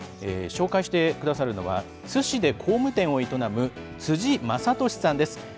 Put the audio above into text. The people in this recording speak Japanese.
紹介してくださるのは、津市で工務店を営む辻正敏さんです。